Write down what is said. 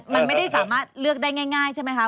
มันไม่ได้สามารถเลือกได้ง่ายใช่ไหมคะ